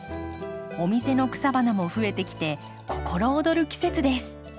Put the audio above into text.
お店の草花も増えてきて心躍る季節です。